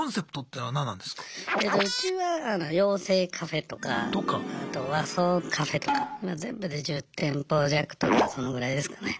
うちは妖精カフェとかあと和装カフェとか全部で１０店舗弱とかそのぐらいですかね。